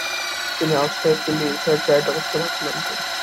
তিনি আউটসাইড কিংবা ইনসাইড-রাইট অবস্থানে মাঠে নামতেন।